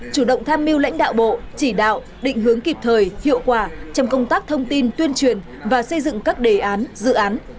chủ động tham mưu lãnh đạo bộ chỉ đạo định hướng kịp thời hiệu quả trong công tác thông tin tuyên truyền và xây dựng các đề án dự án